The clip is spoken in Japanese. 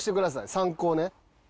参考ね。